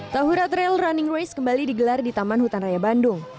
tahura trail running race kembali digelar di taman hutan raya bandung